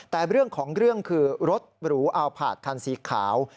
แต่เรื่องของเรื่องคือรถหรูอัลพาร์ทคันสีขาว